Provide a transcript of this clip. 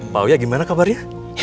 pak wya gimana kabarnya